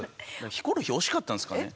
ヒコロヒー惜しかったんですかね？